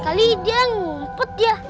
kali dia ngumpet ya